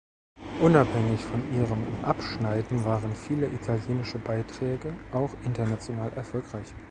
Unabhängig von ihrem Abschneiden waren viele italienische Beiträge auch international erfolgreich.